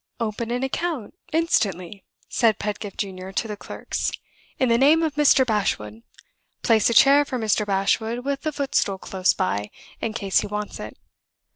"Open an account instantly," said Pedgift Junior to the clerks, "in the name of Mr. Bashwood. Place a chair for Mr. Bashwood, with a footstool close by, in case he wants it.